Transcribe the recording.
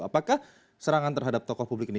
apakah serangan terhadap tokoh publik ini